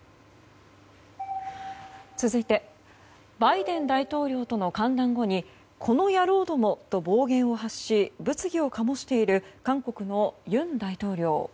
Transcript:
続いてバイデン大統領との歓談後に「この野郎ども」と暴言を発し物議を醸している韓国の尹大統領。